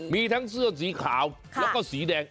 มีทั้งเสื้อสีขาวแล้วก็สีแดง